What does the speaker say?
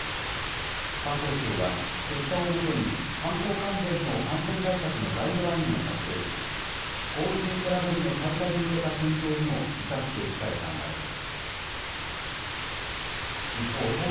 観光庁は、結果をもとに観光関連の感染対策のガイドラインを策定し、ＧｏＴｏトラベルの再開に向けた検討にも生かしていきたい考えです。